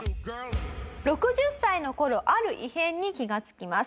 ６０歳の頃ある異変に気がつきます。